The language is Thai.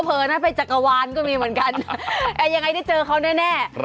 เผลอนะไปจักรวาลก็มีเหมือนกันยังไงได้เจอเขาแน่